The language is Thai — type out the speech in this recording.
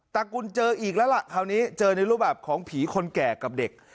ตุลเจออีกแล้วล่ะคราวนี้เจอในรูปแบบของผีคนแก่กับเด็ก